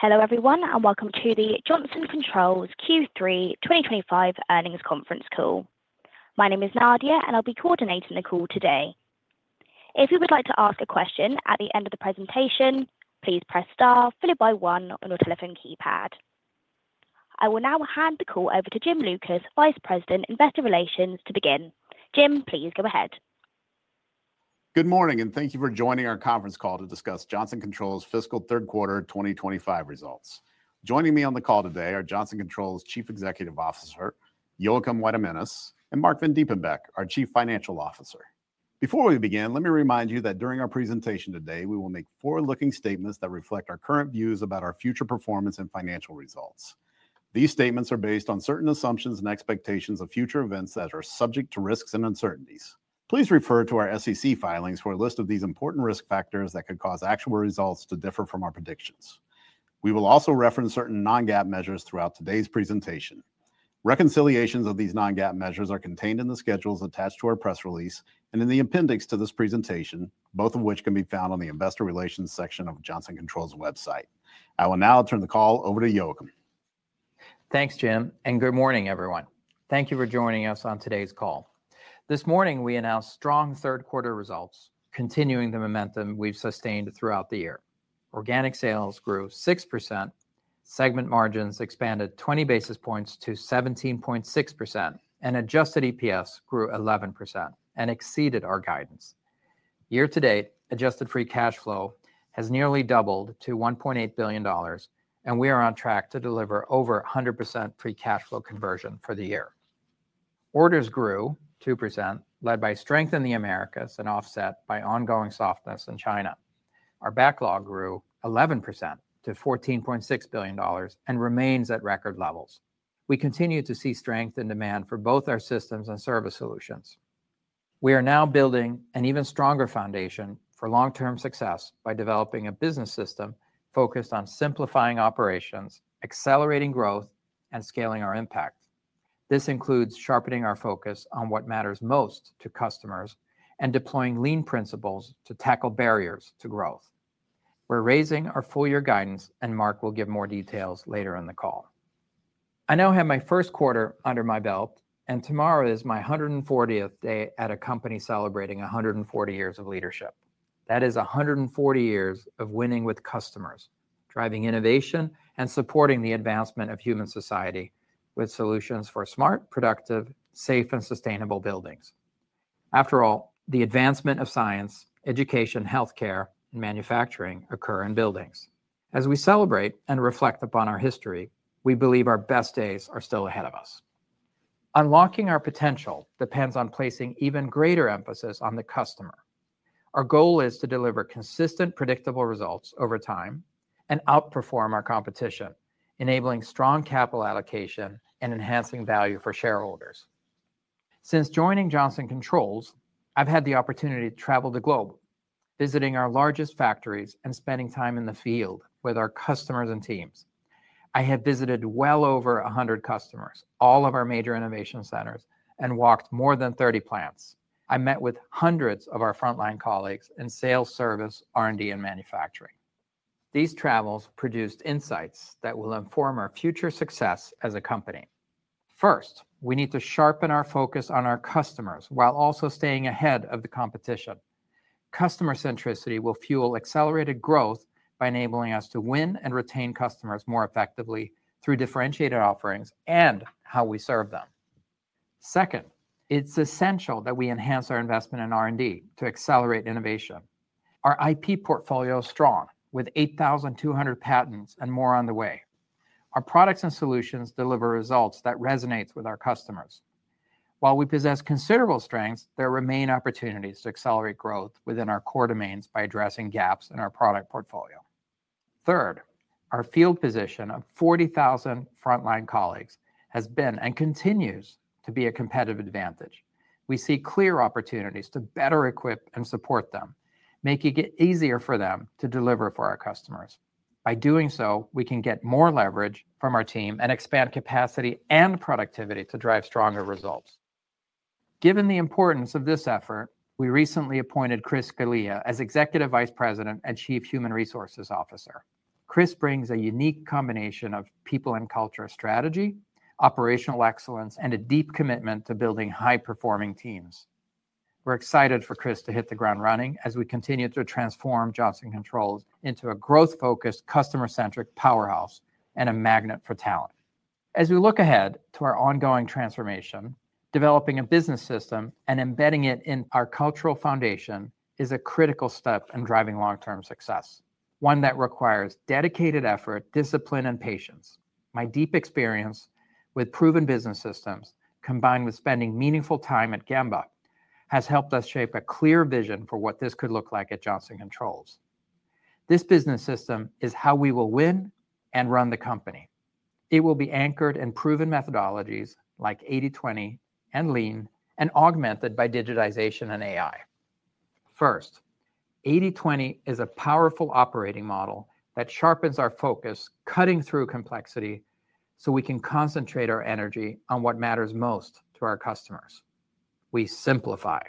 Hello everyone and welcome to the Johnson Controls Q3 2025 earnings conference call. My name is Nadia and I'll be coordinating the call today. If you would like to ask a question at the end of the presentation, please press star followed by one on your telephone keypad. I will now hand the call over to Jim Lucas, Vice President, Investor Relations, to begin. Jim, please go ahead. Good morning and thank you for joining our conference call to discuss Johnson Controls' fiscal 3rd quarter 2025 results. Joining me on the call today are Johnson Controls' Chief Executive Officer, Joakim Weidemanis, and Marc Vandiepenbeeck, our Chief Financial Officer. Before we begin, let me remind you that during our presentation today, we will make forward-looking statements that reflect our current views about our future performance and financial results. These statements are based on certain assumptions and expectations of future events that are subject to risks and uncertainties. Please refer to our SEC filings for a list of these important risk factors that could cause actual results to differ from our predictions. We will also reference certain non-GAAP measures throughout today's presentation. Reconciliations of these non-GAAP measures are contained in the schedules attached to our press release and in the appendix to this presentation, both of which can be found on the Investor Relations section of Johnson Controls' website. I will now turn the call over to Joakim. Thanks, Jim, and good morning everyone. Thank you for joining us on today's call. This morning, we announced strong 3rd quarter results, continuing the momentum we've sustained throughout the year. Organic sales grew 6%. Segment margins expanded 20 basis points to 17.6%, and adjusted EPS grew 11% and exceeded our guidance. Year-to-date, adjusted free cash flow has nearly doubled to $1.8 billion, and we are on track to deliver over 100% free cash flow conversion for the year. Orders grew 2%, led by strength in the Americas and offset by ongoing softness in China. Our backlog grew 11% to $14.6 billion and remains at record levels. We continue to see strength in demand for both our systems and service solutions. We are now building an even stronger foundation for long-term success by developing a business system focused on simplifying operations, accelerating growth, and scaling our impact. This includes sharpening our focus on what matters most to customers and deploying lean principles to tackle barriers to growth. We're raising our full-year guidance, and Marc will give more details later in the call. I now have my 1st quarter under my belt, and tomorrow is my 140th day at a company celebrating 140 years of leadership. That is 140 years of winning with customers, driving innovation, and supporting the advancement of human society with solutions for smart, productive, safe, and sustainable buildings. After all, the advancement of science, education, healthcare, and manufacturing occur in buildings. As we celebrate and reflect upon our history, we believe our best days are still ahead of us. Unlocking our potential depends on placing even greater emphasis on the customer. Our goal is to deliver consistent, predictable results over time and outperform our competition, enabling strong capital allocation and enhancing value for shareholders. Since joining Johnson Controls, I've had the opportunity to travel the globe, visiting our largest factories and spending time in the field with our customers and teams. I have visited well over 100 customers, all of our major innovation centers, and walked more than 30 plants. I met with hundreds of our frontline colleagues in sales, service, R&D, and manufacturing. These travels produced insights that will inform our future success as a company. First, we need to sharpen our focus on our customers while also staying ahead of the competition. Customer centricity will fuel accelerated growth by enabling us to win and retain customers more effectively through differentiated offerings and how we serve them. Second, it's essential that we enhance our investment in R&D to accelerate innovation. Our IP portfolio is strong, with 8,200 patents and more on the way. Our products and solutions deliver results that resonate with our customers. While we possess considerable strengths, there remain opportunities to accelerate growth within our core domains by addressing gaps in our product portfolio. Third, our field position of 40,000 frontline colleagues has been and continues to be a competitive advantage. We see clear opportunities to better equip and support them, making it easier for them to deliver for our customers. By doing so, we can get more leverage from our team and expand capacity and productivity to drive stronger results. Given the importance of this effort, we recently appointed Chris Scalia as Executive Vice President and Chief Human Resources Officer. Chris brings a unique combination of people and culture strategy, operational excellence, and a deep commitment to building high-performing teams. We're excited for Chris to hit the ground running as we continue to transform Johnson Controls into a growth-focused, customer-centric powerhouse and a magnet for talent. As we look ahead to our ongoing transformation, developing a business system and embedding it in our cultural foundation is a critical step in driving long-term success, one that requires dedicated effort, discipline, and patience. My deep experience with proven business systems, combined with spending meaningful time at Gemba, has helped us shape a clear vision for what this could look like at Johnson Controls. This business system is how we will win and run the company. It will be anchored in proven methodologies like 80/20 and lean and augmented by digitization and AI. First, 80/20 is a powerful operating model that sharpens our focus, cutting through complexity so we can concentrate our energy on what matters most to our customers. We simplify.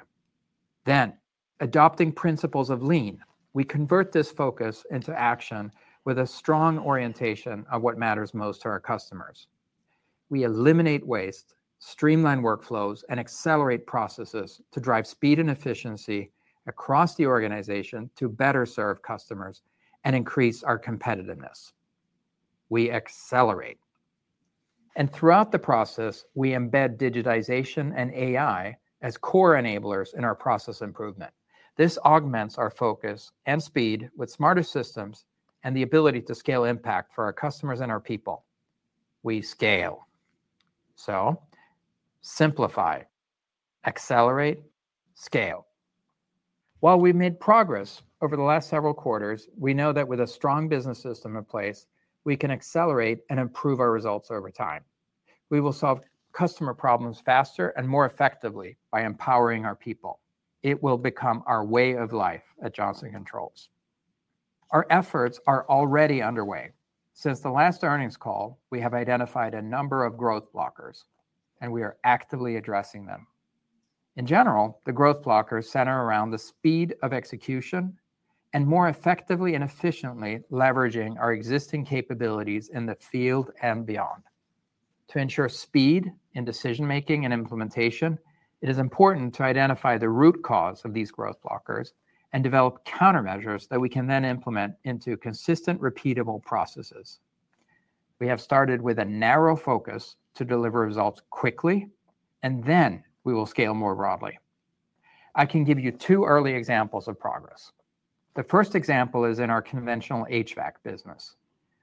Adopting principles of lean, we convert this focus into action with a strong orientation on what matters most to our customers. We eliminate waste, streamline workflows, and accelerate processes to drive speed and efficiency across the organization to better serve customers and increase our competitiveness. We accelerate. Throughout the process, we embed digitization and AI as core enablers in our process improvement. This augments our focus and speed with smarter systems and the ability to scale impact for our customers and our people. We scale. Simplify. Accelerate, scale. While we've made progress over the last several quarters, we know that with a strong business system in place, we can accelerate and improve our results over time. We will solve customer problems faster and more effectively by empowering our people. It will become our way of life at Johnson Controls. Our efforts are already underway. Since the last earnings call, we have identified a number of growth blockers, and we are actively addressing them. In general, the growth blockers center around the speed of execution and more effectively and efficiently leveraging our existing capabilities in the field and beyond. To ensure speed in decision-making and implementation, it is important to identify the root cause of these growth blockers and develop countermeasures that we can then implement into consistent, repeatable processes. We have started with a narrow focus to deliver results quickly, and then we will scale more broadly. I can give you two early examples of progress. The first example is in our conventional HVAC business,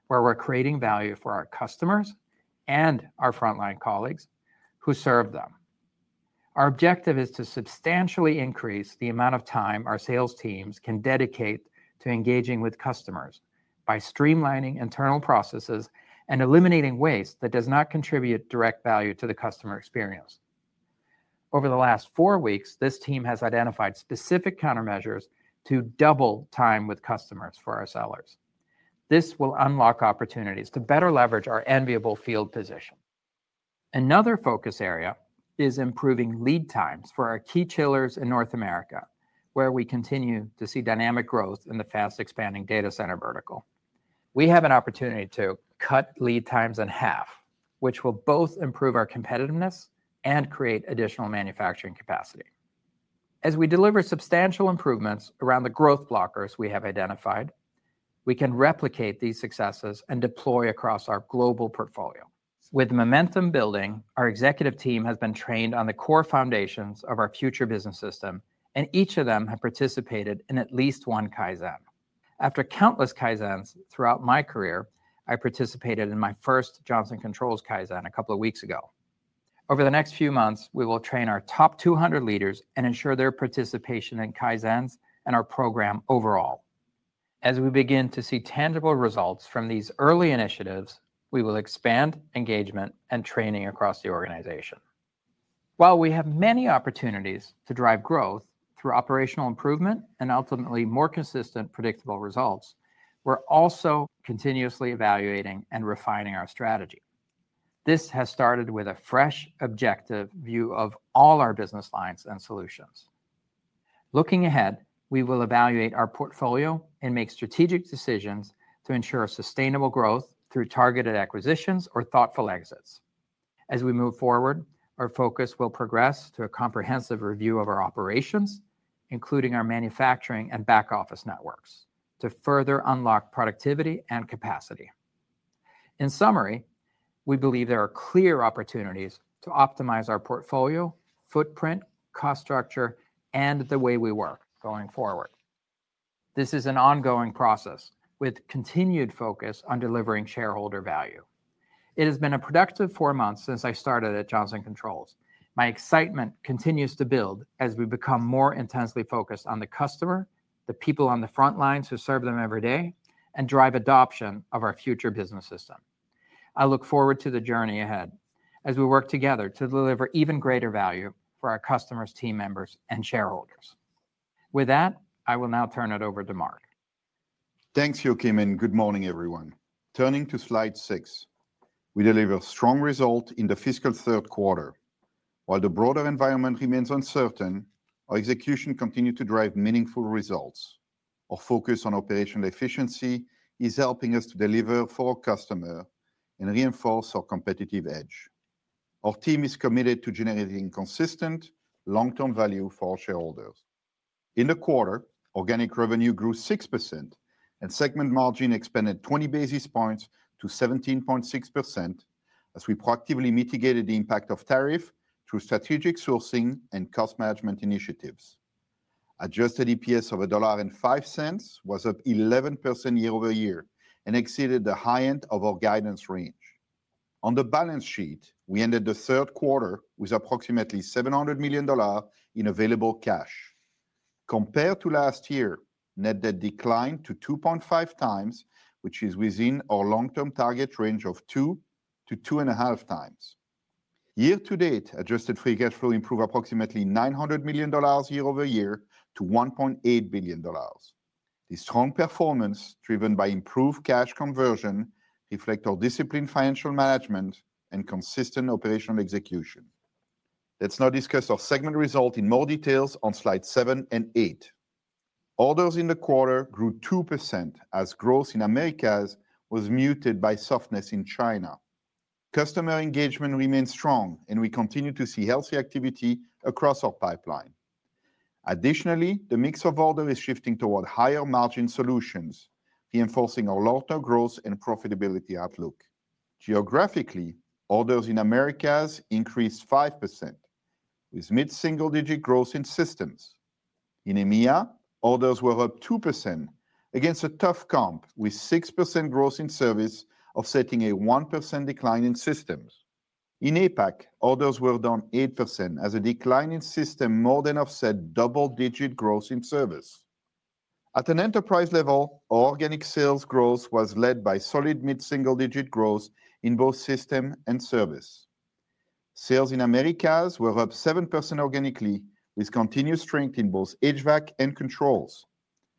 where we're creating value for our customers and our frontline colleagues who serve them. Our objective is to substantially increase the amount of time our sales teams can dedicate to engaging with customers by streamlining internal processes and eliminating waste that does not contribute direct value to the customer experience. Over the last four weeks, this team has identified specific countermeasures to double time with customers for our sellers. This will unlock opportunities to better leverage our enviable field position. Another focus area is improving lead times for our key chillers in North America, where we continue to see dynamic growth in the fast-expanding data center vertical. We have an opportunity to cut lead times in half, which will both improve our competitiveness and create additional manufacturing capacity. As we deliver substantial improvements around the growth blockers we have identified, we can replicate these successes and deploy across our global portfolio. With momentum building, our executive team has been trained on the core foundations of our future business system, and each of them has participated in at least one Kaizen. After countless Kaizens throughout my career, I participated in my first Johnson Controls Kaizen a couple of weeks ago. Over the next few months, we will train our top 200 leaders and ensure their participation in Kaizens and our program overall. As we begin to see tangible results from these early initiatives, we will expand engagement and training across the organization. While we have many opportunities to drive growth through operational improvement and ultimately more consistent, predictable results, we're also continuously evaluating and refining our strategy. This has started with a fresh, objective view of all our business lines and solutions. Looking ahead, we will evaluate our portfolio and make strategic decisions to ensure sustainable growth through targeted acquisitions or thoughtful exits. As we move forward, our focus will progress to a comprehensive review of our operations, including our manufacturing and back-office networks, to further unlock productivity and capacity. In summary, we believe there are clear opportunities to optimize our portfolio, footprint, cost structure, and the way we work going forward. This is an ongoing process with continued focus on delivering shareholder value. It has been a productive four months since I started at Johnson Controls. My excitement continues to build as we become more intensely focused on the customer, the people on the frontlines who serve them every day, and drive adoption of our future business system. I look forward to the journey ahead as we work together to deliver even greater value for our customers, team members, and shareholders. With that, I will now turn it over to Marc. Thanks, Joakim. Good morning, everyone. Turning to slide six, we deliver strong results in the fiscal 3rd quarter. While the broader environment remains uncertain, our execution continues to drive meaningful results. Our focus on operational efficiency is helping us to deliver for our customers and reinforce our competitive edge. Our team is committed to generating consistent, long-term value for our shareholders. In the quarter, organic revenue grew 6%, and segment margin expanded 20 basis points to 17.6% as we proactively mitigated the impact of tariffs through strategic sourcing and cost management initiatives. Adjusted EPS of $1.05 was up 11% year-over-year and exceeded the high end of our guidance range. On the balance sheet, we ended the 3rd quarter with approximately $700 million in available cash. Compared to last year, net debt declined to 2.5 times, which is within our long-term target range of 2-2.5 times. Year-to-date, adjusted free cash flow improved approximately $900 million year-over-year to $1.8 billion. The strong performance, driven by improved cash conversion, reflects our disciplined financial management and consistent operational execution. Let's now discuss our segment results in more detail on slides seven and eight. Orders in the quarter grew 2% as growth in the Americas was muted by softness in China. Customer engagement remains strong, and we continue to see healthy activity across our pipeline. Additionally, the mix of orders is shifting toward higher-margin solutions, reinforcing our long-term growth and profitability outlook. Geographically, orders in the Americas increased 5%, with mid-single-digit growth in systems. In EMEA, orders were up 2% against a tough comp with 6% growth in service, offsetting a 1% decline in systems. In APAC, orders were down 8% as a decline in systems more than offset double-digit growth in service. At an enterprise level, organic sales growth was led by solid mid-single-digit growth in both systems and service. Sales in the Americas were up 7% organically, with continued strength in both HVAC and controls.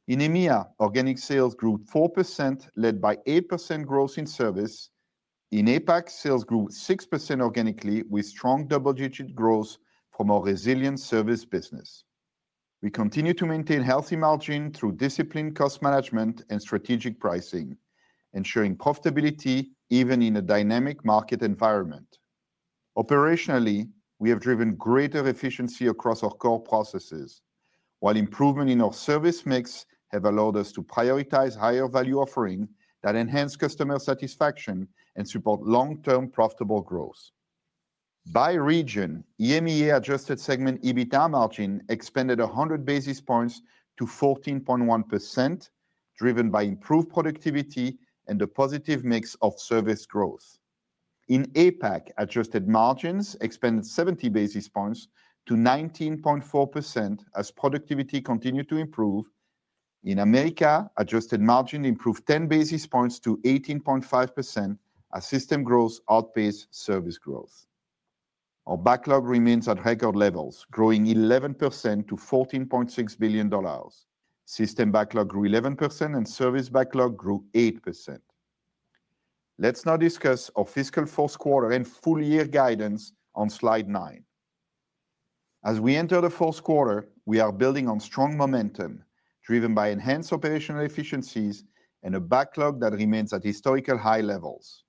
In EMEA, organic sales grew 4%, led by 8% growth in service. In APAC, sales grew 6% organically, with strong double-digit growth from our resilient service business. We continue to maintain healthy margins through disciplined cost management and strategic pricing, ensuring profitability even in a dynamic market environment. Operationally, we have driven greater efficiency across our core processes, while improvements in our service mix have allowed us to prioritize higher-value offerings that enhance customer satisfaction and support long-term profitable growth. By region, EMEA adjusted segment EBITDA margin expanded 100 basis points to 14.1%, driven by improved productivity and a positive mix of service growth. In APAC, adjusted margins expanded 70 basis points to 19.4% as productivity continued to improve. In Americas, adjusted margin improved 10 basis points to 18.5% as system growth outpaced service growth. Our backlog remains at record levels, growing 11% to $14.6 billion. System backlog grew 11%, and service backlog grew 8%. Let's now discuss our fiscal fourth quarter and full-year guidance on slide nine. As we enter the fourth quarter, we are building on strong momentum driven by enhanced operational efficiencies and a backlog that remains at historical high levels.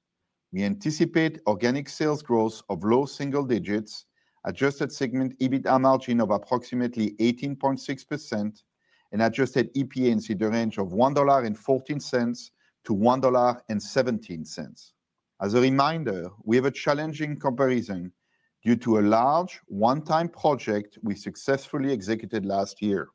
We anticipate organic sales growth of low single digits, adjusted segment EBITDA margin of approximately 18.6%, and adjusted EPS in the range of $1.14-$1.17. As a reminder, we have a challenging comparison due to a large one-time project we successfully executed last year.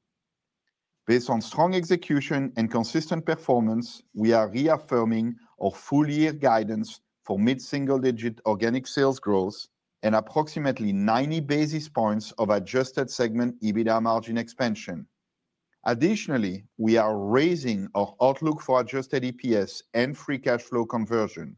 Based on strong execution and consistent performance, we are reaffirming our full-year guidance for mid-single-digit organic sales growth and approximately 90 basis points of adjusted segment EBITDA margin expansion. Additionally, we are raising our outlook for adjusted EPS and free cash flow conversion.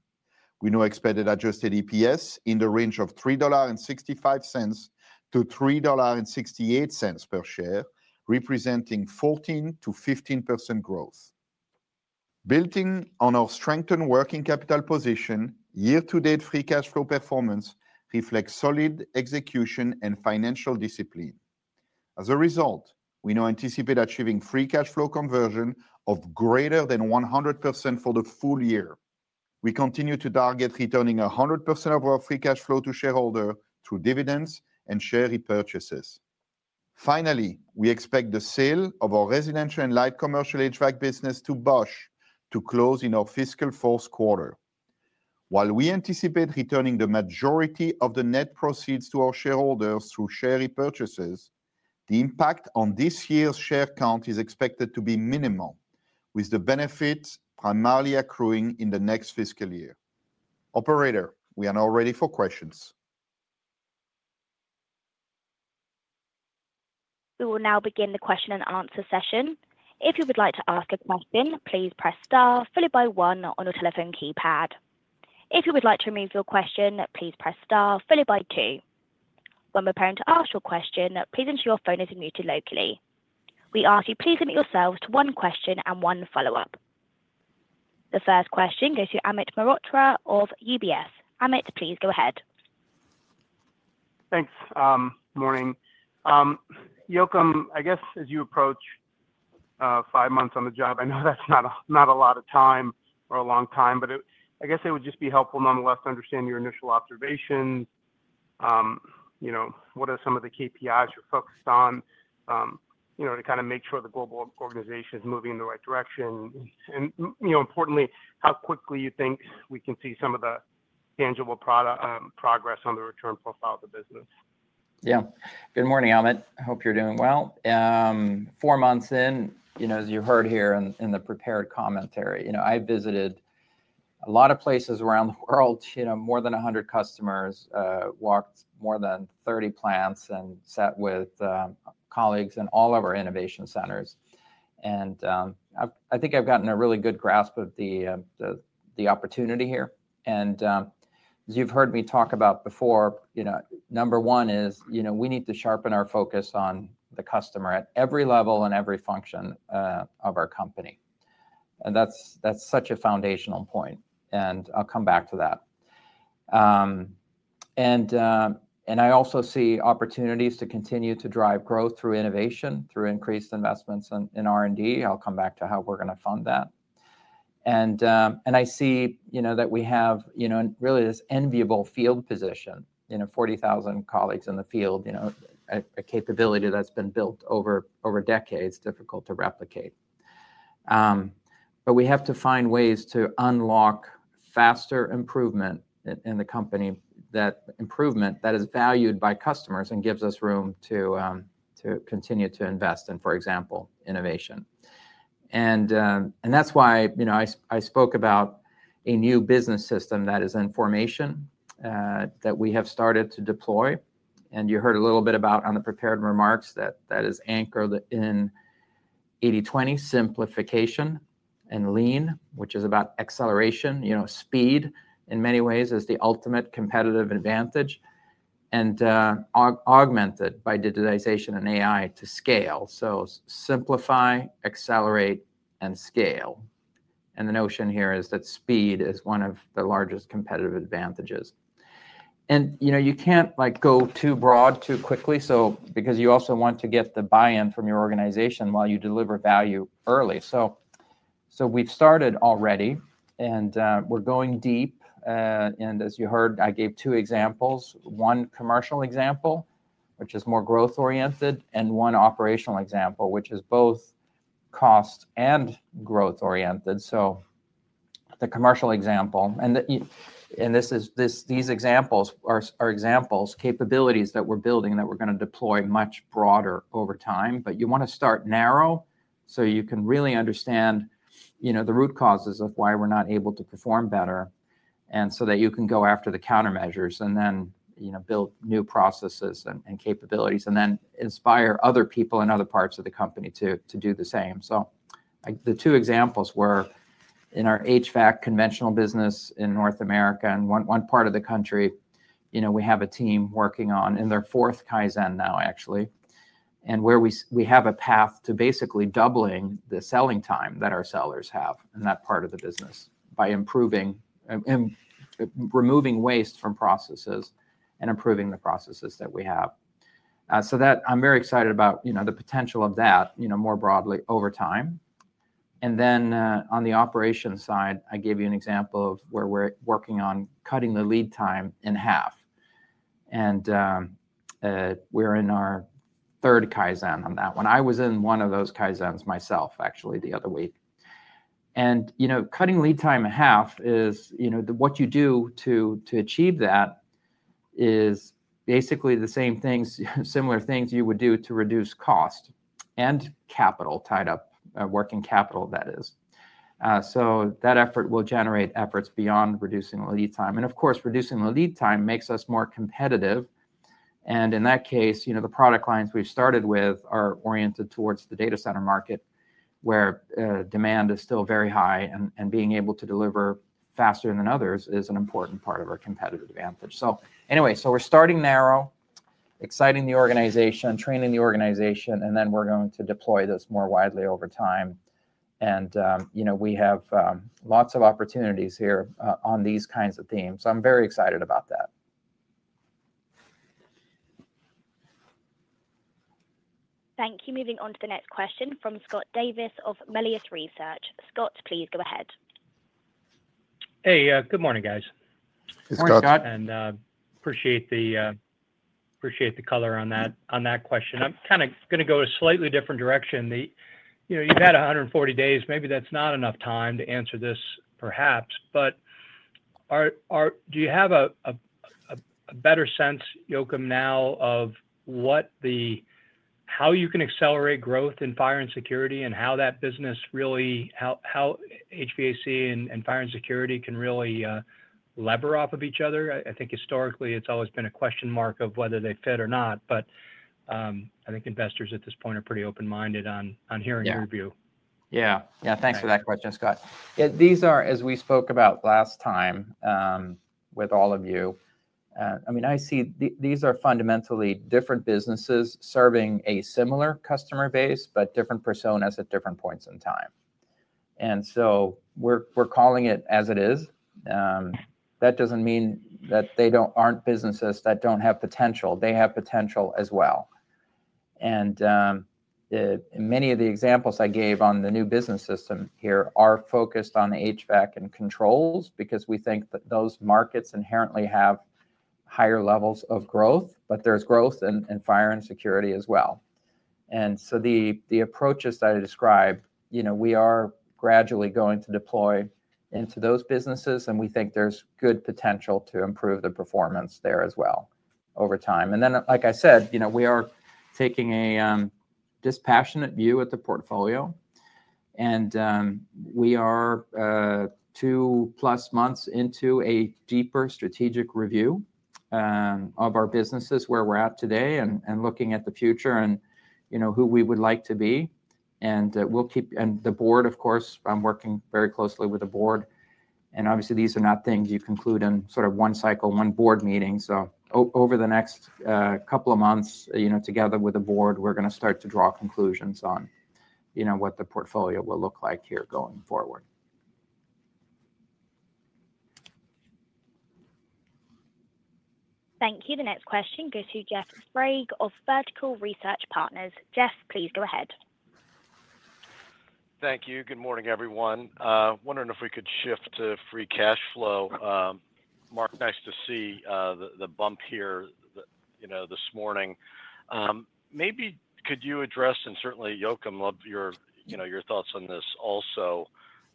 We now expect adjusted EPS in the range of $3.65-$3.68 per share, representing 14%-15% growth. Building on our strengthened working capital position, year-to-date free cash flow performance reflects solid execution and financial discipline. As a result, we now anticipate achieving free cash flow conversion of greater than 100% for the full year. We continue to target returning 100% of our free cash flow to shareholders through dividends and share repurchases. Finally, we expect the sale of our residential and light commercial HVAC business to Bosch to close in our fiscal 4th quarter. While we anticipate returning the majority of the net proceeds to our shareholders through share repurchases, the impact on this year's share count is expected to be minimal, with the benefits primarily accruing in the next fiscal year. Operator, we are now ready for questions. We will now begin the question and answer session. If you would like to ask a question, please press star followed by one on your telephone keypad. If you would like to remove your question, please press star followed by two. When we're preparing to ask your question, please ensure your phone is muted locally. We ask you please limit yourselves to one question and one follow-up. The first question goes to Amit Mehrotra of UBS. Amit, please go ahead. Thanks. Good morning. Joakim, I guess as you approach five months on the job, I know that's not a lot of time or a long time, but I guess it would just be helpful nonetheless to understand your initial observations. What are some of the KPIs you're focused on to kind of make sure the global organization is moving in the right direction? And importantly, how quickly you think we can see some of the tangible progress on the return profile of the business? Yeah. Good morning, Amit. I hope you're doing well. Four months in, as you heard here in the prepared commentary, I visited a lot of places around the world, more than 100 customers, walked more than 30 plants, and sat with colleagues in all of our innovation centers. I think I've gotten a really good grasp of the opportunity here. As you've heard me talk about before, number one is we need to sharpen our focus on the customer at every level and every function of our company. That's such a foundational point. I'll come back to that. I also see opportunities to continue to drive growth through innovation, through increased investments in R&D. I'll come back to how we're going to fund that. I see that we have really this enviable field position, 40,000 colleagues in the field, a capability that's been built over decades, difficult to replicate. We have to find ways to unlock faster improvement in the company, that improvement that is valued by customers and gives us room to continue to invest in, for example, innovation. That's why I spoke about a new business system that is in formation, that we have started to deploy. You heard a little bit about on the prepared remarks that that is anchored in 80/20 simplification and lean, which is about acceleration, speed in many ways as the ultimate competitive advantage, and augmented by digitization and AI to scale. Simplify, accelerate, and scale. The notion here is that speed is one of the largest competitive advantages. You can't go too broad too quickly because you also want to get the buy-in from your organization while you deliver value early. We've started already, and we're going deep. As you heard, I gave two examples, one commercial example, which is more growth-oriented, and one operational example, which is both cost and growth-oriented. The commercial example, and these examples are examples, capabilities that we're building that we're going to deploy much broader over time. You want to start narrow so you can really understand the root causes of why we're not able to perform better and so that you can go after the countermeasures and then build new processes and capabilities and then inspire other people in other parts of the company to do the same. The two examples were in our HVAC conventional business in North America and one part of the country. We have a team working on, and they're fourth Kaizen now, actually, where we have a path to basically doubling the selling time that our sellers have in that part of the business by removing waste from processes and improving the processes that we have. I'm very excited about the potential of that more broadly over time. On the operation side, I gave you an example of where we're working on cutting the lead time in half. We're in our third Kaizen on that one. I was in one of those Kaizens myself, actually, the other week. Cutting lead time in half is what you do to achieve that. It is basically the same things, similar things you would do to reduce cost and capital tied up, working capital, that is. That effort will generate efforts beyond reducing the lead time. Of course, reducing the lead time makes us more competitive. In that case, the product lines we've started with are oriented towards the data center market, where demand is still very high, and being able to deliver faster than others is an important part of our competitive advantage. Anyway, we're starting narrow, exciting the organization, training the organization, and then we're going to deploy this more widely over time. We have lots of opportunities here on these kinds of themes. I'm very excited about that. Thank you. Moving on to the next question from Scott Davis of Melius Research. Scott, please go ahead. Hey, good morning, guys. Morning, Scott. Appreciate the color on that question. I'm kind of going to go a slightly different direction. You've had 140 days. Maybe that's not enough time to answer this, perhaps. Do you have a better sense, Joakim, now of how you can accelerate growth in fire and security and how that business really, how HVAC and fire and security can really lever off of each other? I think historically, it's always been a question mark of whether they fit or not. I think investors at this point are pretty open-minded on hearing your view. Yeah. Yeah. Thanks for that question, Scott. Yeah. These are, as we spoke about last time. With all of you, I mean, I see these are fundamentally different businesses serving a similar customer base, but different personas at different points in time. We are calling it as it is. That does not mean that they are not businesses that do not have potential. They have potential as well. Many of the examples I gave on the new business system here are focused on HVAC and controls because we think that those markets inherently have higher levels of growth, but there is growth in fire and security as well. The approaches that I described, we are gradually going to deploy into those businesses, and we think there is good potential to improve the performance there as well over time. Like I said, we are taking a dispassionate view of the portfolio. We are two-plus months into a deeper strategic review of our businesses, where we are at today and looking at the future and who we would like to be. The board, of course, I am working very closely with the board. Obviously, these are not things you conclude in sort of one cycle, one board meeting. Over the next couple of months, together with the board, we are going to start to draw conclusions on what the portfolio will look like here going forward. Thank you. The next question goes to Jeff Sprague of Vertical Research Partners. Jeff, please go ahead. Thank you. Good morning, everyone. Wondering if we could shift to free cash flow. Marc, nice to see the bump here this morning. Maybe could you address, and certainly, Joakim, your thoughts on this also,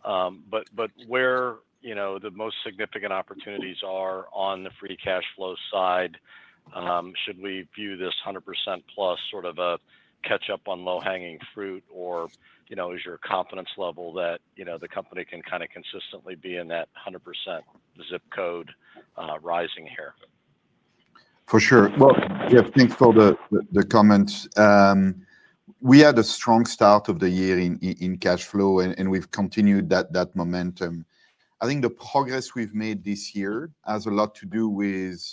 but where the most significant opportunities are on the free cash flow side. Should we view this 100% plus sort of a catch-up on low-hanging fruit, or is your confidence level that the company can kind of consistently be in that 100% zip code rising here? For sure. Jeff, thanks for the comments. We had a strong start of the year in cash flow, and we've continued that momentum. I think the progress we've made this year has a lot to do with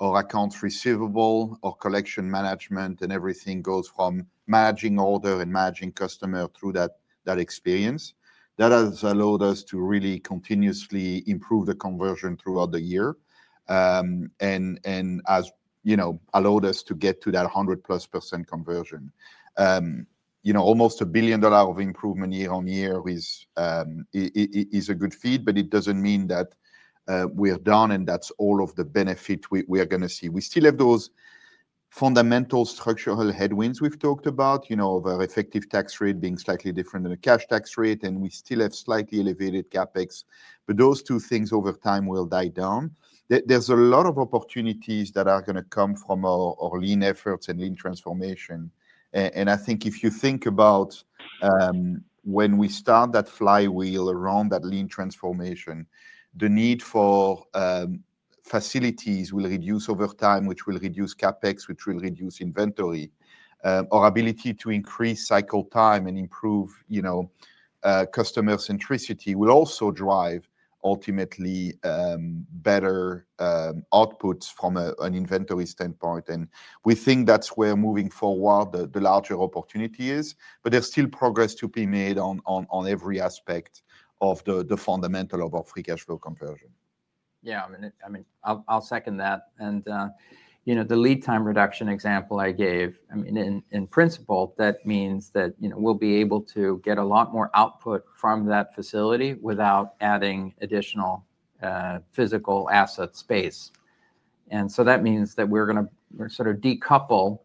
our accounts receivable, our collection management, and everything goes from managing order and managing customer through that experience. That has allowed us to really continuously improve the conversion throughout the year. That allowed us to get to that 100+% conversion. Almost $1 billion of improvement year-on-year is a good feat, but it does not mean that we are done and that is all of the benefit we are going to see. We still have those fundamental structural headwinds we have talked about, of our effective tax rate being slightly different than the cash tax rate, and we still have slightly elevated CapEx. Those two things over time will die down. There are a lot of opportunities that are going to come from our lean efforts and lean transformation. I think if you think about when we start that flywheel around that lean transformation, the need for facilities will reduce over time, which will reduce CapEx, which will reduce inventory. Our ability to increase cycle time and improve customer centricity will also drive ultimately better outputs from an inventory standpoint. We think that is where moving forward the larger opportunity is. There is still progress to be made on every aspect of the fundamental of our free cash flow conversion. Yeah. I mean, I'll second that. The lead time reduction example I gave, I mean, in principle, that means that we'll be able to get a lot more output from that facility without adding additional physical asset space. That means that we're going to sort of decouple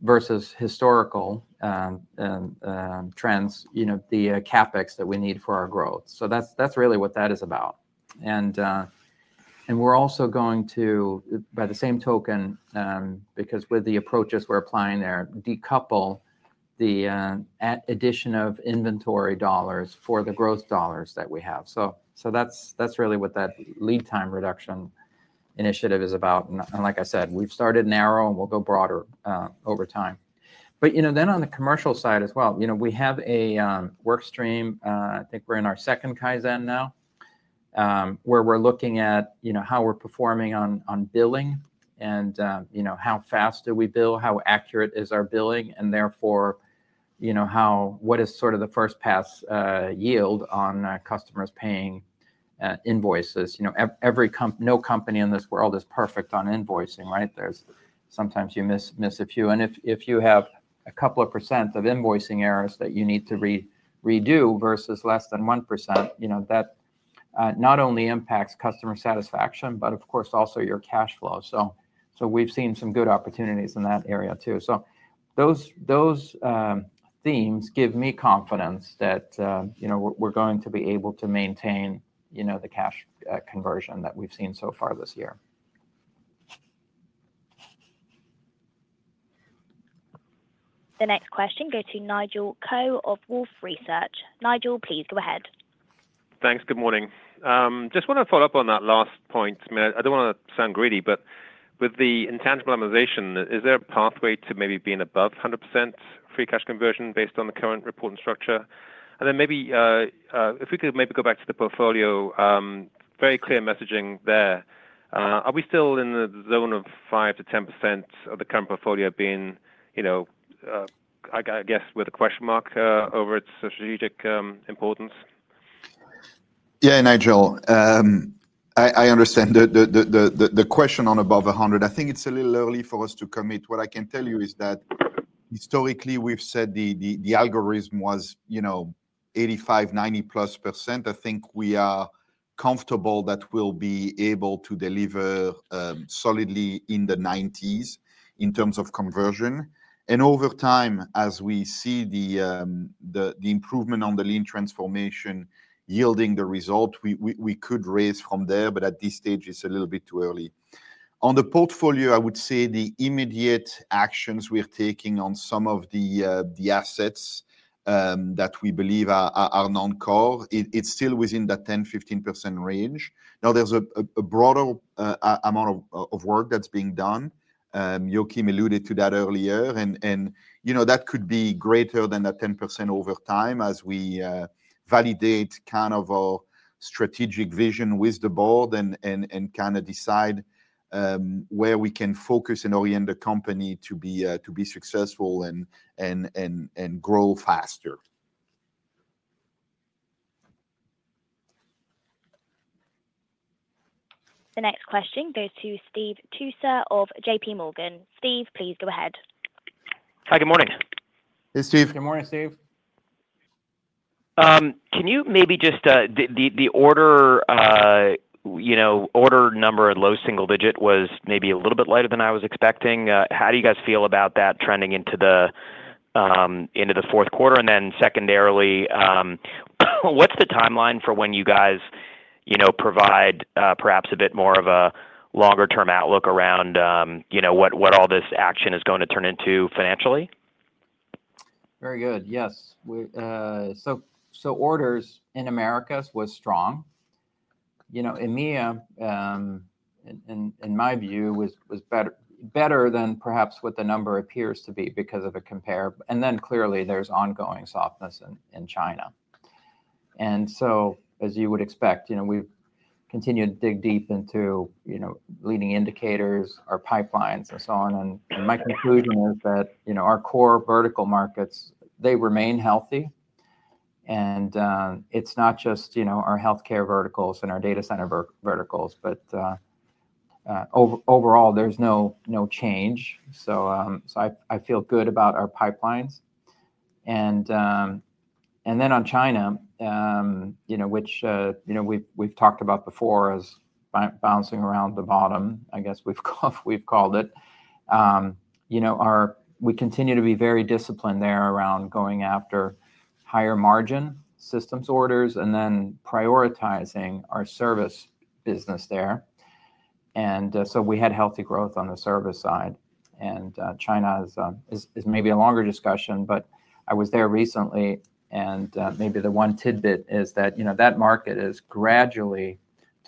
versus historical trends, the CapEx that we need for our growth. That's really what that is about. We're also going to, by the same token, because with the approaches we're applying there, decouple the addition of inventory dollars for the growth dollars that we have. That's really what that lead time reduction initiative is about. Like I said, we've started narrow and we'll go broader over time. On the commercial side as well, we have a workstream. I think we're in our second Kaizen now, where we're looking at how we're performing on billing and how fast do we bill, how accurate is our billing, and therefore what is sort of the first pass yield on customers paying invoices. No company in this world is perfect on invoicing, right? Sometimes you miss a few. If you have a couple of percent of invoicing errors that you need to redo versus less than 1%, that not only impacts customer satisfaction, but of course, also your cash flow. We've seen some good opportunities in that area too. Those themes give me confidence that we're going to be able to maintain the cash conversion that we've seen so far this year. The next question goes to Nigel Coe of Wolf Research. Nigel, please go ahead. Thanks. Good morning. Just want to follow up on that last point. I do not want to sound greedy, but with the intangible amortization, is there a pathway to maybe being above 100% free cash conversion based on the current reporting structure? If we could maybe go back to the portfolio. Very clear messaging there. Are we still in the zone of 5-10% of the current portfolio being, I guess, with a question mark over its strategic importance? Yeah, Nigel. I understand. The question on above 100, I think it's a little early for us to commit. What I can tell you is that historically, we've said the algorithm was 85, 90+%. I think we are comfortable that we'll be able to deliver solidly in the 90s in terms of conversion. And over time, as we see the improvement on the lean transformation yielding the result, we could raise from there. At this stage, it's a little bit too early. On the portfolio, I would say the immediate actions we're taking on some of the assets that we believe are non-core, it's still within the 10-15% range. Now, there's a broader amount of work that's being done. Joakim alluded to that earlier. That could be greater than that 10% over time as we validate kind of our strategic vision with the board and kind of decide where we can focus and orient the company to be successful and grow faster. The next question goes to Steve Toussaint of J.P. Morgan. Steve, please go ahead. Hi, good morning. Hey, Steve. Good morning, Steve. Can you maybe just the order. Number and low single-digit was maybe a little bit lighter than I was expecting. How do you guys feel about that trending into the 4th quarter? And then secondarily. What's the timeline for when you guys provide perhaps a bit more of a longer-term outlook around what all this action is going to turn into financially? Very good. Yes. Orders in Americas were strong. EMEA, in my view, was better than perhaps what the number appears to be because of a compare. Clearly, there is ongoing softness in China. As you would expect, we have continued to dig deep into leading indicators, our pipelines, and so on. My conclusion is that our core vertical markets remain healthy. It is not just our healthcare verticals and our data center verticals, but overall, there is no change. I feel good about our pipelines. On China, which we have talked about before as bouncing around the bottom, I guess we have called it, we continue to be very disciplined there around going after higher margin systems orders and then prioritizing our service business there. We had healthy growth on the service side. China is maybe a longer discussion, but I was there recently. Maybe the one tidbit is that market is gradually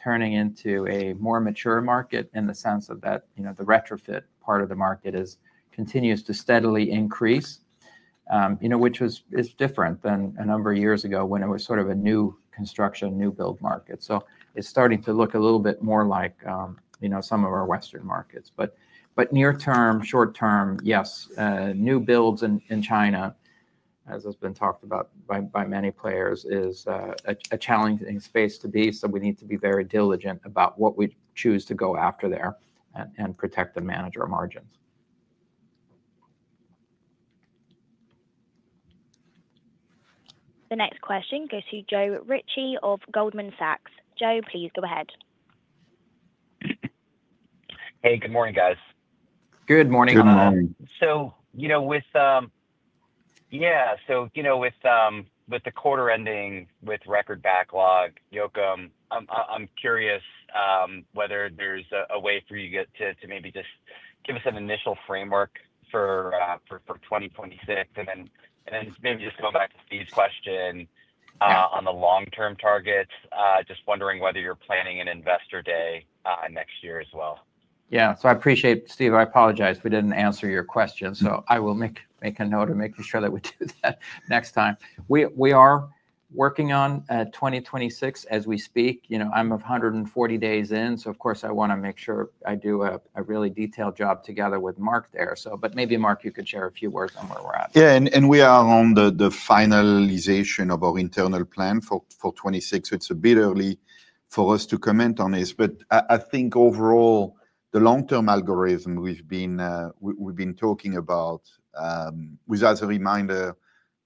turning into a more mature market in the sense that the retrofit part of the market continues to steadily increase, which is different than a number of years ago when it was sort of a new construction, new build market. It is starting to look a little bit more like some of our Western markets. Near term, short term, yes, new builds in China, as has been talked about by many players, is a challenging space to be. We need to be very diligent about what we choose to go after there and protect and manage our margins. The next question goes to Joe Ritchie of Goldman Sachs. Joe, please go ahead. Hey, good morning, guys. Good morning. Good morning. Yeah. With the quarter ending with record backlog, Joakim, I'm curious whether there's a way for you to maybe just give us an initial framework for 2026. Then maybe just going back to Steve's question on the long-term targets, just wondering whether you're planning an investor day next year as well. Yeah. I appreciate it, Steve, I apologize. We did not answer your question. I will make a note of making sure that we do that next time. We are working on 2026 as we speak. I am 140 days in. Of course, I want to make sure I do a really detailed job together with Marc there. Maybe Marc, you could share a few words on where we are at. Yeah. We are on the finalization of our internal plan for 2026. It is a bit early for us to comment on this. I think overall, the long-term algorithm we have been talking about was, as a reminder,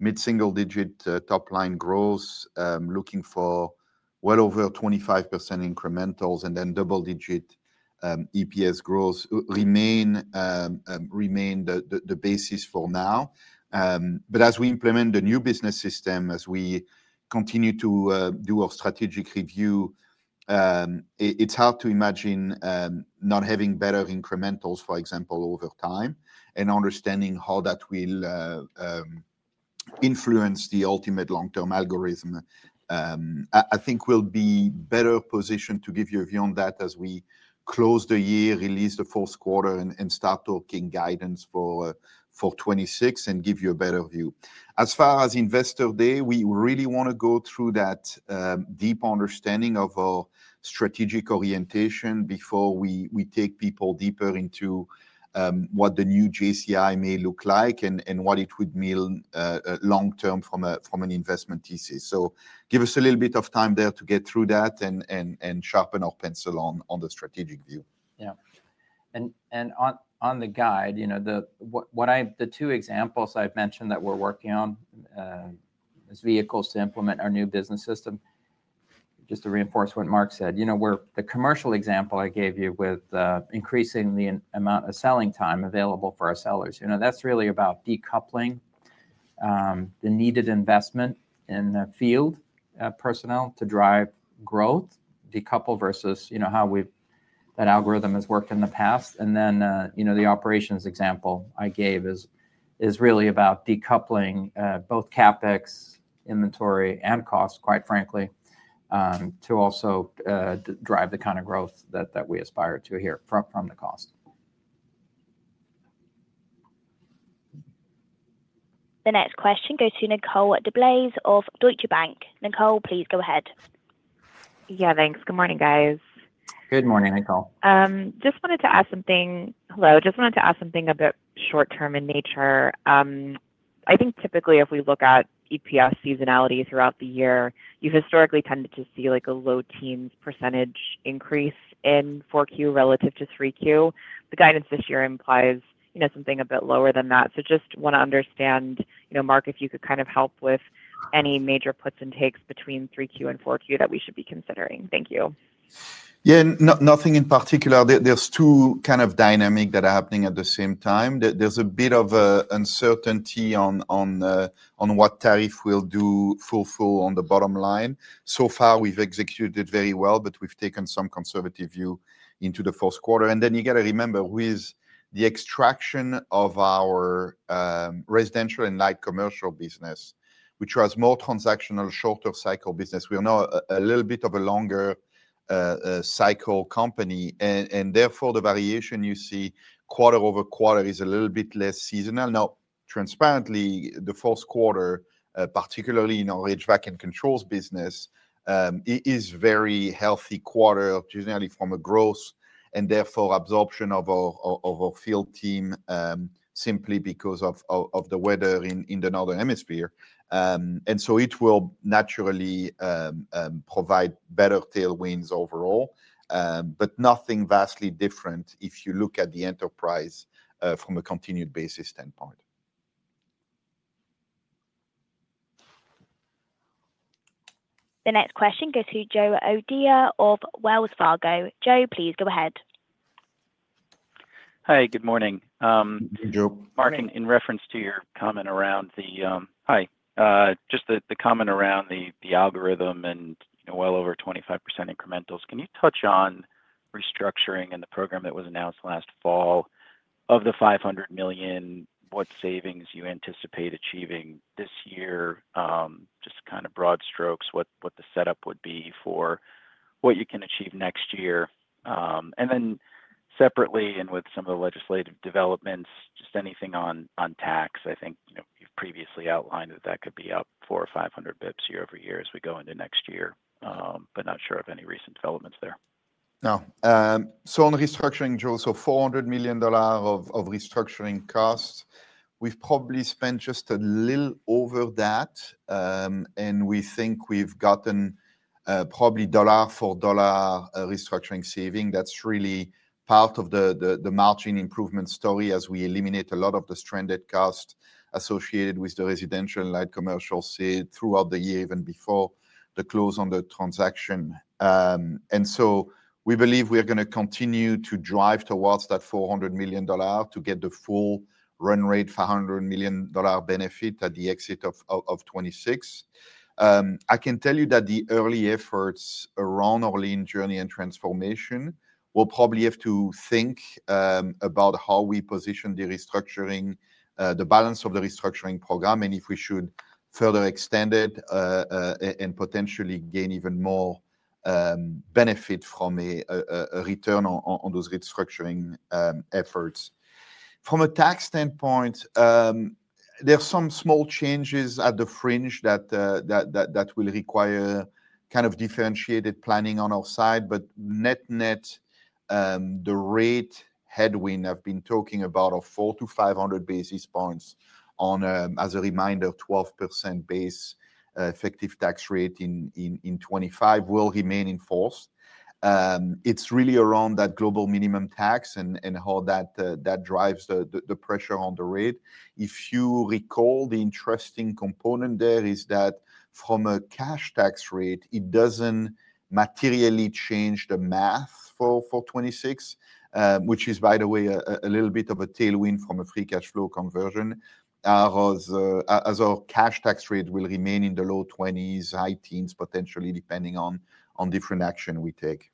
mid-single digit top-line growth, looking for well over 25% incrementals, and then double-digit EPS growth remain the basis for now. As we implement the new business system, as we continue to do our strategic review, it is hard to imagine not having better incrementals, for example, over time, and understanding how that will influence the ultimate long-term algorithm. I think we will be better positioned to give you a view on that as we close the year, release the fourth quarter, and start talking guidance for 2026 and give you a better view. As far as investor day, we really want to go through that deep understanding of our strategic orientation before we take people deeper into what the new JCI may look like and what it would mean long-term from an investment thesis. Give us a little bit of time there to get through that and sharpen our pencil on the strategic view. Yeah. On the guide, the two examples I've mentioned that we're working on as vehicles to implement our new business system, just to reinforce what Mark said, the commercial example I gave you with increasing the amount of selling time available for our sellers, that's really about decoupling the needed investment in the field personnel to drive growth, decouple versus how that algorithm has worked in the past. The operations example I gave is really about decoupling both CapEx, inventory, and cost, quite frankly, to also drive the kind of growth that we aspire to here from the cost. The next question goes to Nicole DeBlaise of Deutsche Bank. Nicole, please go ahead. Yeah, thanks. Good morning, guys. Good morning, Nicole. Just wanted to ask something. Hello. Just wanted to ask something a bit short-term in nature. I think typically, if we look at EPS seasonality throughout the year, you've historically tended to see a low teens percentage increase in 4Q relative to 3Q. The guidance this year implies something a bit lower than that. Just want to understand, Marc, if you could kind of help with any major puts and takes between 3Q and 4Q that we should be considering. Thank you. Yeah. Nothing in particular. There are two kind of dynamics that are happening at the same time. There is a bit of uncertainty on what tariff will do full-force on the bottom line. So far, we have executed very well, but we have taken some conservative view into the 4th quarter. You have to remember with the extraction of our residential and light commercial business, which was more transactional, shorter cycle business, we are now a little bit of a longer cycle company. Therefore, the variation you see quarter-over-quarter is a little bit less seasonal. Now, transparently, the 4th quarter, particularly in our HVAC and controls business, is a very healthy quarter, generally from a growth and therefore absorption of our field team, simply because of the weather in the Northern Hemisphere. It will naturally provide better tailwinds overall, but nothing vastly different if you look at the enterprise from a continued basis standpoint. The next question goes to Joe O'Dea of Wells Fargo. Joe, please go ahead. Hi, good morning. Hey, Joe. Marc, in reference to your comment around the, hi, just the comment around the algorithm and well over 25% incrementals, can you touch on restructuring and the program that was announced last fall of the $500 million, what savings you anticipate achieving this year, just kind of broad strokes, what the setup would be for what you can achieve next year. Then separately, and with some of the legislative developments, just anything on tax, I think you've previously outlined that that could be up 400 or 500 basis points year over year as we go into next year, but not sure of any recent developments there. No. So on restructuring, Joe, $400 million of restructuring costs, we've probably spent just a little over that. We think we've gotten probably dollar-for-dollar restructuring saving. That's really part of the margin improvement story as we eliminate a lot of the stranded costs associated with the residential and light commercial throughout the year, even before the close on the transaction. We believe we're going to continue to drive towards that $400 million to get the full run rate, $500 million benefit at the exit of 2026. I can tell you that the early efforts around our lean journey and transformation will probably have to think about how we position the restructuring, the balance of the restructuring program, and if we should further extend it and potentially gain even more benefit from a return on those restructuring efforts. From a tax standpoint, there are some small changes at the fringe that will require kind of differentiated planning on our side. Net, net, the rate headwind I've been talking about of 400-500 basis points on, as a reminder, 12% base effective tax rate in 2025 will remain in force. It's really around that global minimum tax and how that drives the pressure on the rate. If you recall, the interesting component there is that from a cash tax rate, it does not materially change the math for 2026, which is, by the way, a little bit of a tailwind from a free cash flow conversion, as our cash tax rate will remain in the low 20s, high teens, potentially depending on different action we take.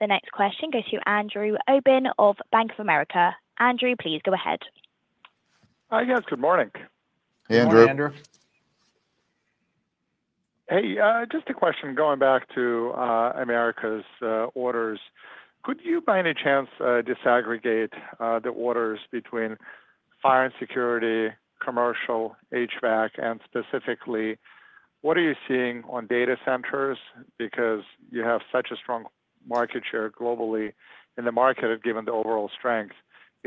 The next question goes to Andrew Obin of Bank of America. Andrew, please go ahead. Hi, guys. Good morning. Hey, Andrew. Hi, Andrew. Hey. Just a question going back to America's orders. Could you, by any chance, disaggregate the orders between fire and security, commercial, HVAC, and specifically, what are you seeing on data centers? Because you have such a strong market share globally in the market, given the overall strength.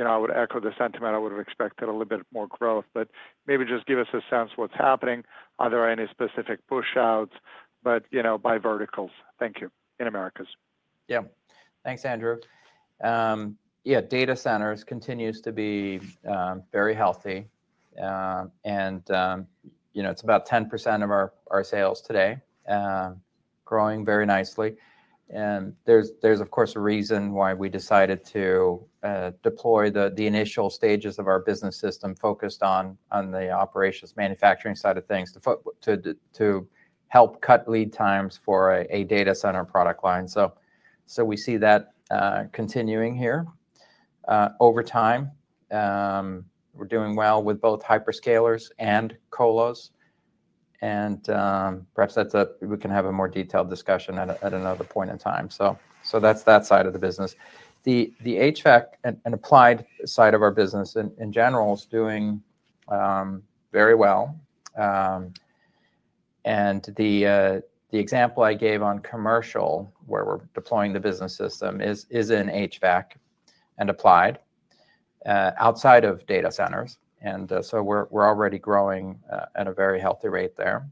I would echo the sentiment I would have expected a little bit more growth, but maybe just give us a sense of what's happening. Are there any specific push-outs by verticals? Thank you. In America's. Yeah. Thanks, Andrew. Yeah. Data centers continue to be very healthy. It is about 10% of our sales today, growing very nicely. There is, of course, a reason why we decided to deploy the initial stages of our business system focused on the operations, manufacturing side of things to help cut lead times for a data center product line. We see that continuing here. Over time, we are doing well with both hyperscalers and colos. Perhaps we can have a more detailed discussion at another point in time. That is that side of the business. The HVAC and applied side of our business in general is doing very well. The example I gave on commercial, where we are deploying the business system, is in HVAC and applied, outside of data centers. We are already growing at a very healthy rate there.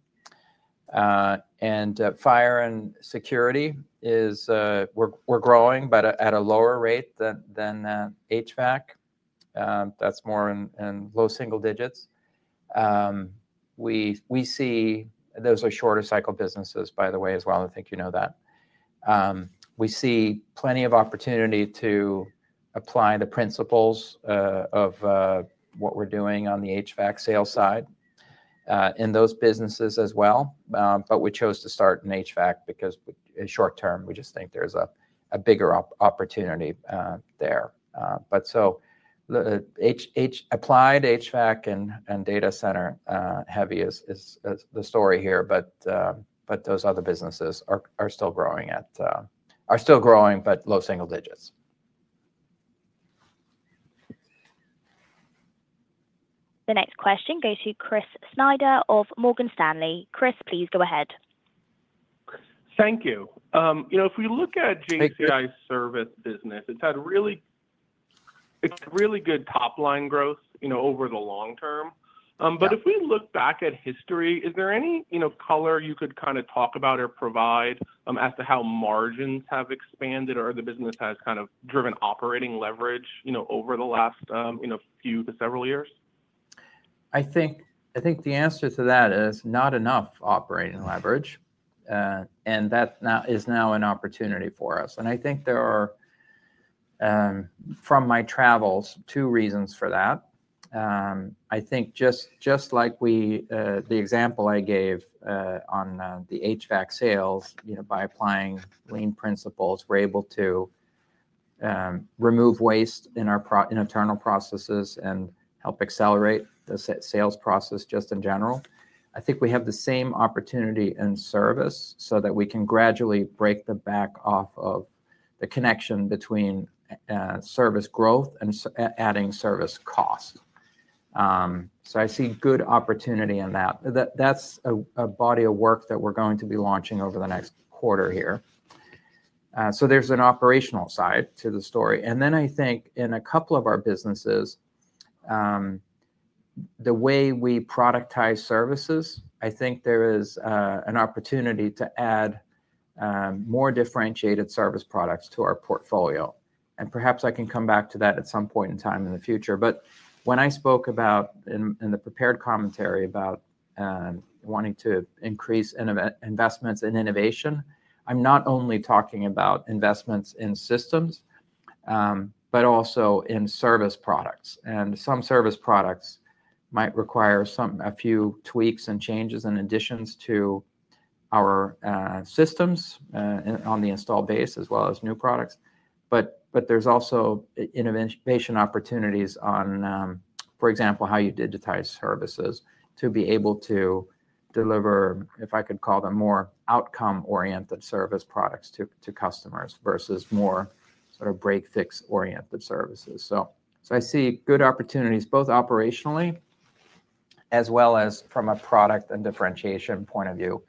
Fire and security, we are growing, but at a lower rate than HVAC. That is more in low single-digits. We see those are shorter cycle businesses, by the way, as well. I think you know that. We see plenty of opportunity to apply the principles of what we are doing on the HVAC sale side in those businesses as well. We chose to start in HVAC because short-term, we just think there is a bigger opportunity there. Applied HVAC and data center heavy is the story here. Those other businesses are still growing, but low single-digits. The next question goes to Chris Snyder of Morgan Stanley. Chris, please go ahead. Thank you. If we look at JCI service business, it's had really good top-line growth over the long term. If we look back at history, is there any color you could kind of talk about or provide as to how margins have expanded or the business has kind of driven operating leverage over the last few to several years? I think the answer to that is not enough operating leverage. That is now an opportunity for us. I think there are, from my travels, two reasons for that. I think just like the example I gave on the HVAC sales, by applying lean principles, we're able to remove waste in our internal processes and help accelerate the sales process just in general. I think we have the same opportunity in service so that we can gradually break the back off of the connection between service growth and adding service cost. I see good opportunity in that. That's a body of work that we're going to be launching over the next quarter here. There's an operational side to the story. I think in a couple of our businesses, the way we productize services, I think there is an opportunity to add more differentiated service products to our portfolio. Perhaps I can come back to that at some point in time in the future. When I spoke about, in the prepared commentary, about wanting to increase investments in innovation, I'm not only talking about investments in systems but also in service products. Some service products might require a few tweaks and changes and additions to our systems on the installed base as well as new products. There's also innovation opportunities on, for example, how you digitize services to be able to deliver, if I could call them, more outcome-oriented service products to customers versus more sort of break-fix-oriented services. I see good opportunities both operationally as well as from a product and differentiation point of view,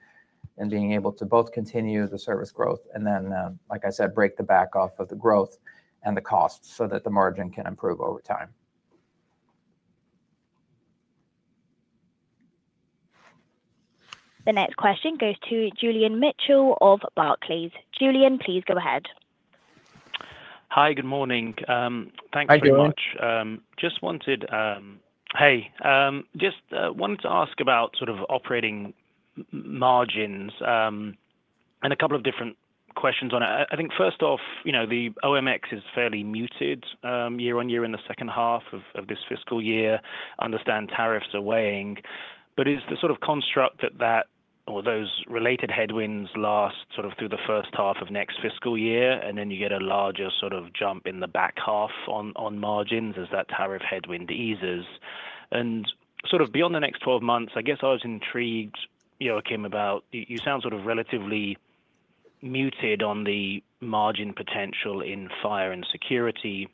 and being able to both continue the service growth and then, like I said, break the back off of the growth and the cost so that the margin can improve over time. The next question goes to Julian Mitchell of Barclays. Julian, please go ahead. Hi, good morning. Thanks very much. Hi, good morning. Just wanted to ask about sort of operating margins and a couple of different questions on it. I think first off, the OMX is fairly muted year-on-year in the second half of this fiscal year. I understand tariffs are weighing. Is the sort of construct that those related headwinds last through the first half of next fiscal year, and then you get a larger sort of jump in the back half on margins as that tariff headwind eases? Beyond the next 12 months, I guess I was intrigued, Joakim, about you sound sort of relatively muted on the margin potential in fire and security,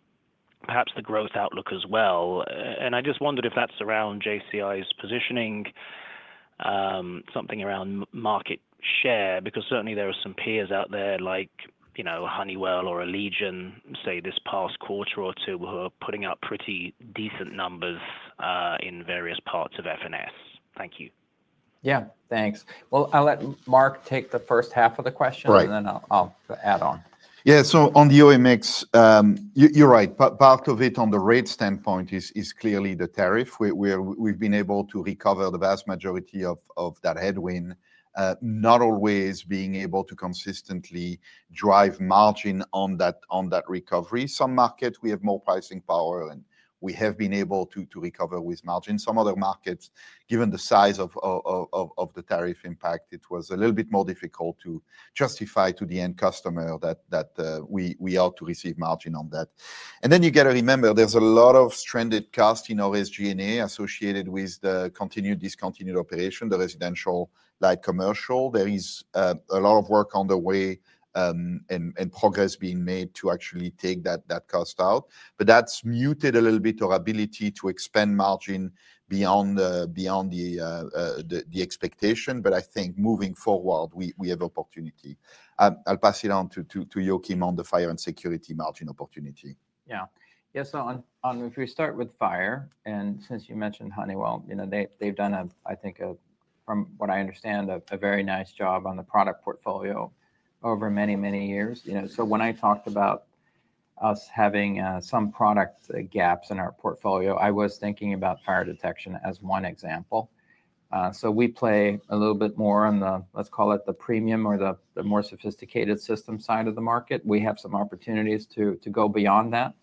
perhaps the growth outlook as well. I just wondered if that's around JCI's positioning, something around market share, because certainly there are some peers out there like Honeywell or Allegion, say, this past quarter or two, who are putting out pretty decent numbers in various parts of F&S. Thank you. Yeah. Thanks. I'll let Marc take the first half of the question, and then I'll add on. Yeah. On the OMX, you're right. Part of it on the rate standpoint is clearly the tariff. We've been able to recover the vast majority of that headwind, not always being able to consistently drive margin on that recovery. Some markets, we have more pricing power, and we have been able to recover with margin. Some other markets, given the size of the tariff impact, it was a little bit more difficult to justify to the end customer that we ought to receive margin on that. You have to remember, there's a lot of stranded cost in our SG&A associated with the continued discontinued operation, the residential, light commercial. There is a lot of work on the way and progress being made to actually take that cost out. That's muted a little bit our ability to expand margin beyond the expectation. I think moving forward, we have opportunity. I'll pass it on to Joakim on the fire and security margin opportunity. Yeah. Yeah. If we start with fire, and since you mentioned Honeywell, they've done, I think, from what I understand, a very nice job on the product portfolio over many, many years. When I talked about us having some product gaps in our portfolio, I was thinking about fire detection as one example. We play a little bit more on the, let's call it the premium or the more sophisticated system side of the market. We have some opportunities to go beyond that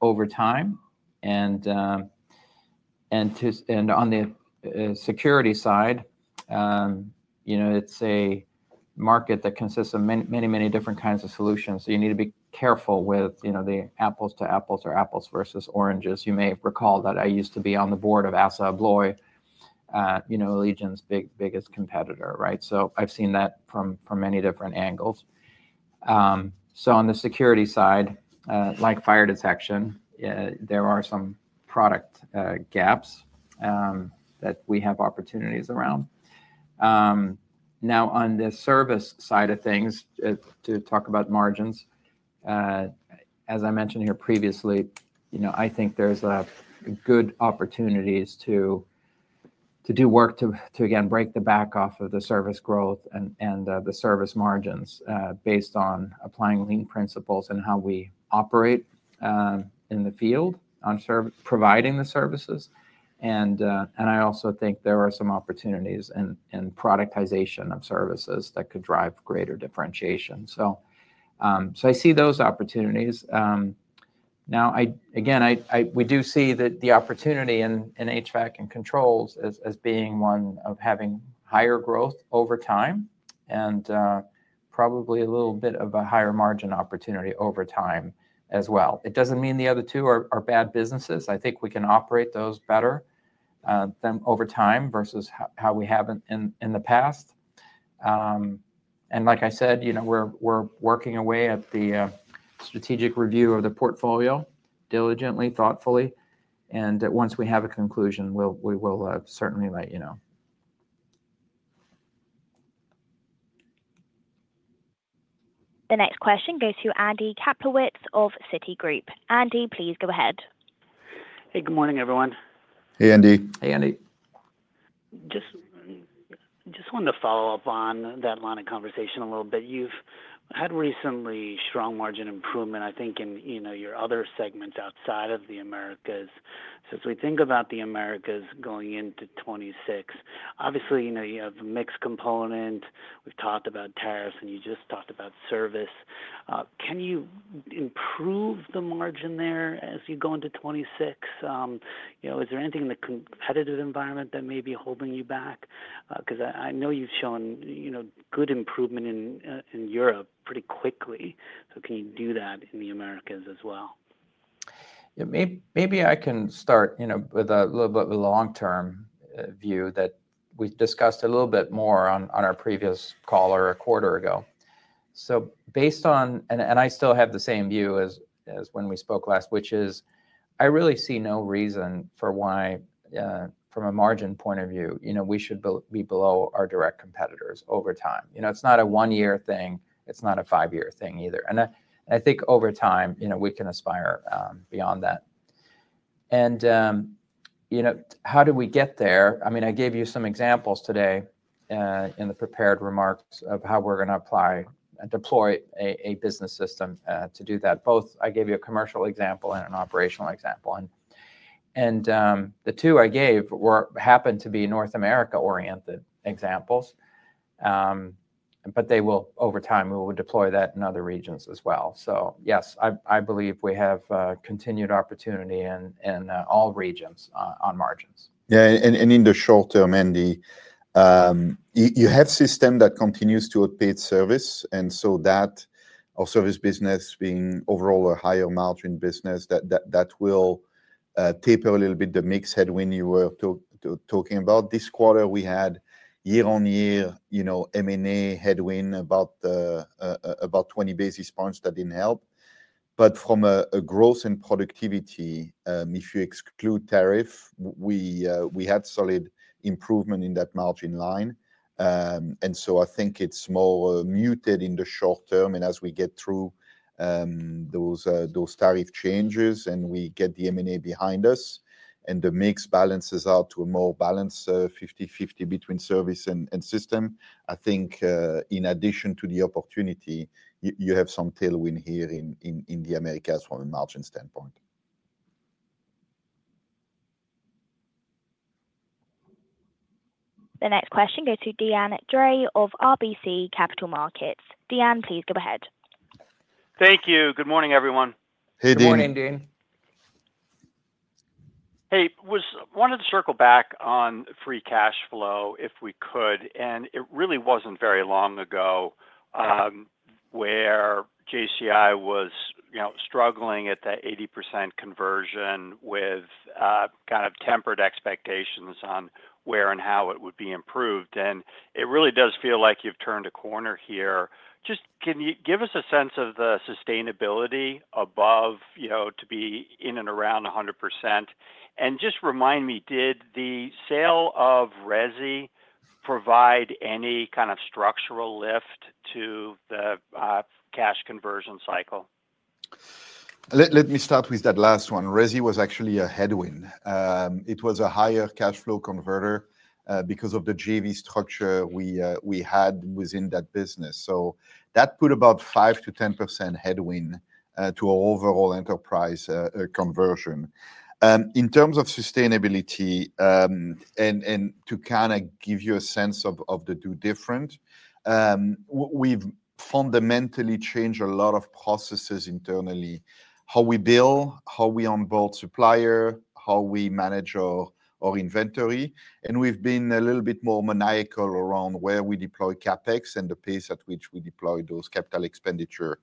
over time. On the security side, it's a market that consists of many, many different kinds of solutions. You need to be careful with the apples to apples or apples versus oranges. You may recall that I used to be on the board of Assa Abloy, Allegion's biggest competitor, right? I've seen that from many different angles. On the security side, like fire detection, there are some product gaps that we have opportunities around. Now, on the service side of things, to talk about margins, as I mentioned here previously, I think there's good opportunities to do work to, again, break the back off of the service growth and the service margins based on applying lean principles and how we operate in the field on providing the services. I also think there are some opportunities in productization of services that could drive greater differentiation. I see those opportunities. Now, again, we do see the opportunity in HVAC and controls as being one of having higher growth over time and probably a little bit of a higher margin opportunity over time as well. It doesn't mean the other two are bad businesses. I think we can operate those better over time versus how we have in the past. Like I said, we're working away at the strategic review of the portfolio diligently, thoughtfully. Once we have a conclusion, we will certainly let you know. The next question goes to Andy Kaplowitz of Citigroup. Andy, please go ahead. Hey, good morning, everyone. Hey, Andy. Hey, Andy. Just wanted to follow up on that line of conversation a little bit. You've had recently strong margin improvement, I think, in your other segments outside of the Americas. As we think about the Americas going into 2026, obviously, you have a mixed component. We've talked about tariffs, and you just talked about service. Can you improve the margin there as you go into 2026? Is there anything in the competitive environment that may be holding you back? I know you've shown good improvement in Europe pretty quickly. Can you do that in the Americas as well? Maybe I can start with a little bit of a long-term view that we discussed a little bit more on our previous call or a quarter ago. I still have the same view as when we spoke last, which is I really see no reason for why, from a margin point of view, we should be below our direct competitors over time. It is not a one-year thing. It is not a five-year thing either. I think over time, we can aspire beyond that. How do we get there? I mean, I gave you some examples today in the prepared remarks of how we are going to apply and deploy a business system to do that. I gave you a commercial example and an operational example. The two I gave happened to be North America-oriented examples. Over time, we will deploy that in other regions as well. Yes, I believe we have continued opportunity in all regions on margins. Yeah. In the short term, Andy, you have a system that continues to outpace service. Service business being overall a higher margin business, that will taper a little bit the mixed headwind you were talking about. This quarter, we had year-on-year M&A headwind about 20 basis points that did not help. From a growth and productivity, if you exclude tariff, we had solid improvement in that margin line. I think it is more muted in the short term. As we get through those tariff changes and we get the M&A behind us and the mix balances out to a more balanced 50-50 between service and system, I think in addition to the opportunity, you have some tailwind here in the Americas from a margin standpoint. The next question goes to Deanne Dre of RBC Capital Markets. Deanne, please go ahead. Thank you. Good morning, everyone. Hey, Dean. Good morning, Dean. Hey, I wanted to circle back on free cash flow if we could. It really wasn't very long ago where JCI was struggling at that 80% conversion with kind of tempered expectations on where and how it would be improved. It really does feel like you've turned a corner here. Just can you give us a sense of the sustainability above to be in and around 100%? Just remind me, did the sale of Resi provide any kind of structural lift to the cash conversion cycle? Let me start with that last one. Resi was actually a headwind. It was a higher cash flow converter because of the JV structure we had within that business. So that put about 5-10% headwind to our overall enterprise conversion. In terms of sustainability. And to kind of give you a sense of the two different. We've fundamentally changed a lot of processes internally, how we bill, how we onboard supplier, how we manage our inventory. And we've been a little bit more maniacal around where we deploy CapEx and the pace at which we deploy those capital expenditure.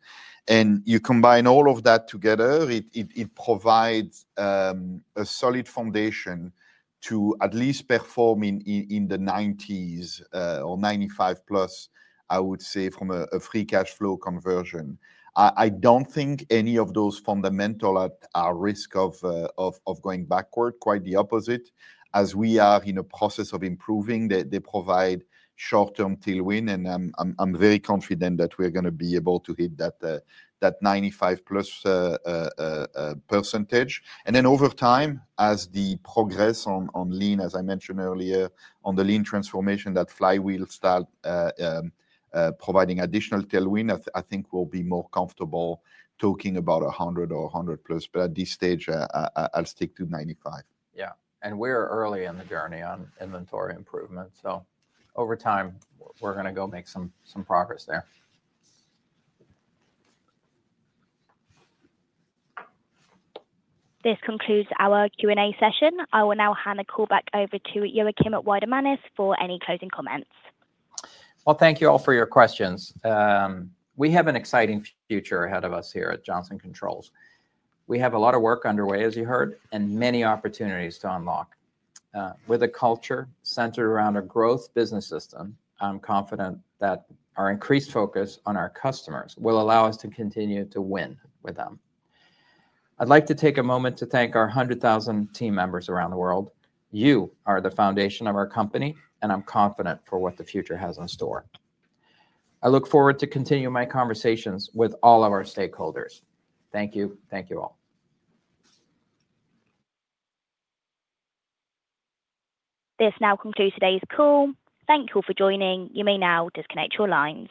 You combine all of that together, it provides a solid foundation to at least perform in the 90s or 95 plus, I would say, from a free cash flow conversion. I don't think any of those fundamentals are at risk of going backward. Quite the opposite. As we are in a process of improving, they provide short-term tailwind. I'm very confident that we're going to be able to hit that 95+ %. Then over time, as the progress on lean, as I mentioned earlier, on the lean transformation, that flywheel start providing additional tailwind, I think we'll be more comfortable talking about 100 or 100+. At this stage, I'll stick to 95. Yeah. We're early in the journey on inventory improvement. Over time, we're going to go make some progress there. This concludes our Q&A session. I will now hand the call back over to Joakim Weidemanis for any closing comments. Thank you all for your questions. We have an exciting future ahead of us here at Johnson Controls. We have a lot of work underway, as you heard, and many opportunities to unlock. With a culture centered around a growth business system, I'm confident that our increased focus on our customers will allow us to continue to win with them. I'd like to take a moment to thank our 100,000 team members around the world. You are the foundation of our company, and I'm confident for what the future has in store. I look forward to continuing my conversations with all of our stakeholders. Thank you. Thank you all. This now concludes today's call. Thank you all for joining. You may now disconnect your lines.